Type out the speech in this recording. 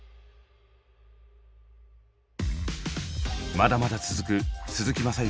まだまだ続く鈴木雅之